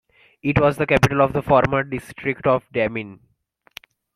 It was the capital of the former district of Demmin.